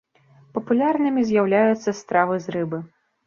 Папулярнымі з'яўляюцца стравы з рыбы.